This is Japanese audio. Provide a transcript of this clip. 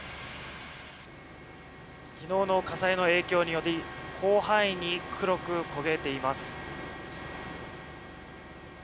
昨日の火災の影響で広範囲に黒く焦げています。